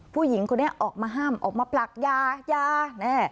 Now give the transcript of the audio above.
ผู้หญิงคนนี้ออกมาห้ามออกมาปลักยายาแน่